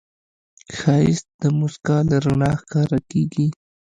ښایست د موسکا له رڼا سره ښکاریږي